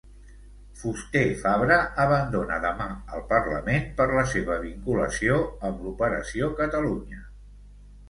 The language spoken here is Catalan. Fuster-Fabra abandona demà el parlament per la seva vinculació amb l'Operació Catalunya.